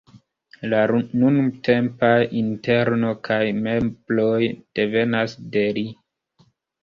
La nuntempaj interno kaj mebloj devenas de li.